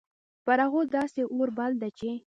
پر هغو داسي اور بل ده چې